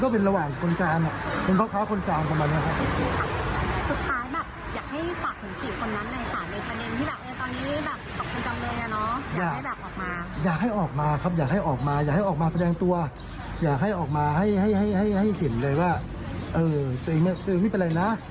อยากให้ออกมาให้เห็นเลยว่าตัวเองไม่เป็นไรนะ